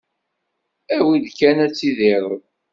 Awi-d kan ad tidireḍ.